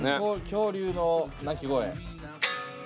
恐竜の鳴き声。